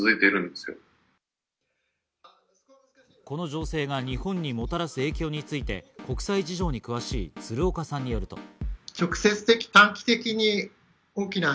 この情勢が日本にもたらす影響について国際事情に詳しい鶴岡さんによると。